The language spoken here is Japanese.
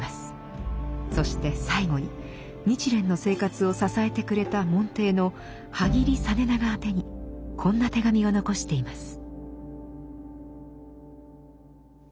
そして最後に日蓮の生活を支えてくれた門弟の波木井実長宛てにこんな手紙を残しています。